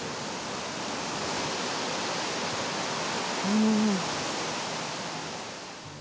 うん。